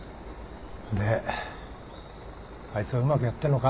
であいつはうまくやってんのか？